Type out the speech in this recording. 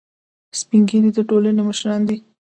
سپین ږیری د ټولنې مشران دي